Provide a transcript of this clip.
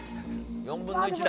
４分の１だ。